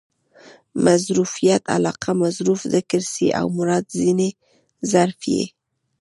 مظروفیت علاقه؛ مظروف ذکر سي او مراد ځني ظرف يي.